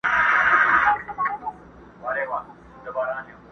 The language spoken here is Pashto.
پر حجره یې لکه مار وګرځېدمه٫